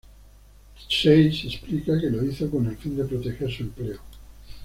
Chase explica que lo hizo con el fin de proteger su empleo.